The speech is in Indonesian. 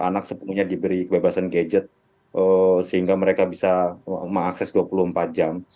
anak sepenuhnya diberi kebebasan gadget sehingga mereka bisa mengakses dua puluh empat jam